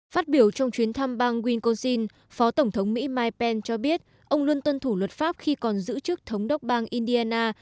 phát biểu trong chuyến thăm bang wincosin phó tổng thống mỹ mike pen cho biết ông luôn tuân thủ luật pháp khi còn giữ chức thống đốc bang indiana